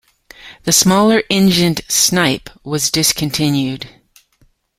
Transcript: The smaller-engined Snipe was discontinued.